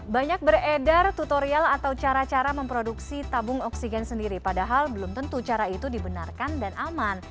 banyak beredar tutorial atau cara cara memproduksi tabung oksigen sendiri padahal belum tentu cara itu dibenarkan dan aman